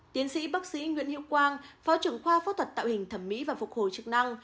tiến sĩ bác sĩ nguyễn hiệu quang phó trưởng khoa phẫu thuật tạo hình thẩm mỹ và phục hồi chức năng